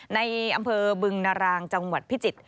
ในอำเภอบึงนารางจังหวัดพิจิตร